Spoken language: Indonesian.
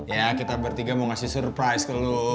ya kita bertiga mau ngasih surprise ke lo